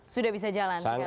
sudah bisa jalan sekarang